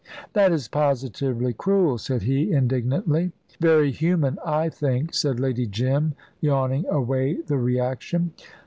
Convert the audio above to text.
"That is positively cruel," said he, indignantly. "Very human, I think," said Lady Jim, yawning away the reaction.